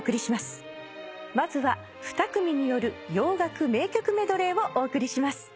まずは２組による洋楽名曲メドレーをお送りします。